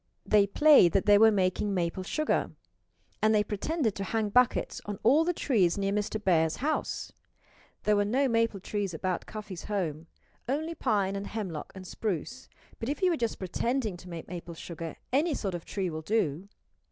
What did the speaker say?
They played that they were making maple sugar. And they pretended to hang buckets on all the trees near Mr. Bear's house. There were no maple trees about Cuffy's home only pine and hemlock and spruce but if you are just pretending to make maple sugar any sort of tree will do.